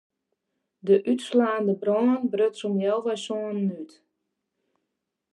De útslaande brân bruts om healwei sânen út.